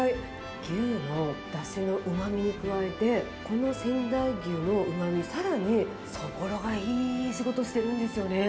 牛のだしのうまみに加えて、この仙台牛のうまみ、さらにそぼろがいい仕事してるんですよね。